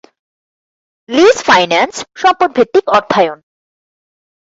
Lease finance সম্পদ ভিত্তিক অর্থায়ন।